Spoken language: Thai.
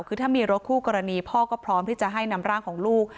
คือถ้ามีรถคู่กรณีพ่อก็พร้อมที่จะให้นำร่างของลูก